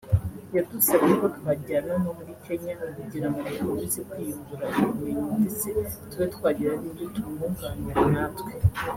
yadusabye ko twajyana no muri Kenya kugira ngo dukomeze kwiyungura ubumenyi ndetse tube twagira n’ibyo tumwunganira natwe